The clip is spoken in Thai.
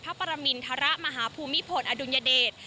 พระปรมินธระมหาภูมิพลอดุญเดช